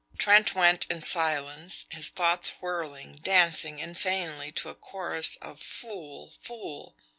Trent went in silence, his thoughts whirling, dancing insanely to a chorus of "Fool! fool!"